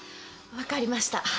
分かりました。